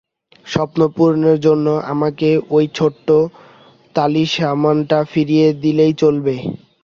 স্বপ্ন পূরণের জন্য আমাকে ওই ছোট্ট তালিসমানটা ফিরিয়ে দিলেই চলবে।